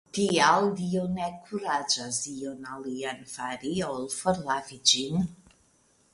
Tial Dio ne kuraĝas ion alian fari, ol forlavi ĝin!